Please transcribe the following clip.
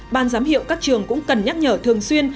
ban giám hiệu các trường cũng cần nhắc nhở thường xuyên